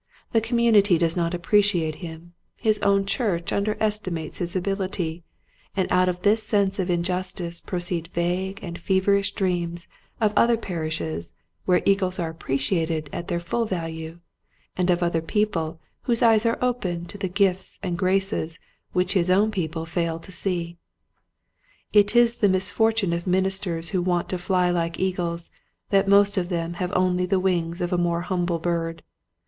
The community does not appreciate him, his own church under estimates his ability, and out of this sense of injustice proceed vague and feverish dreams of other parishes where eagles are appreciated at their full value, and of other people whose eyes are open to the gifts and graces which his own people fail to see. It is the misfortune of ministers who want to fly like eagles that most of them have only the wings of a more humble bird.